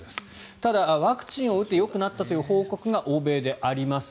ただ、ワクチンを打ってよくなったという報告が欧米であります。